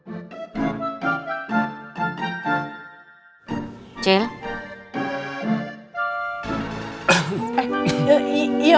ini dari handsannya bintrew ito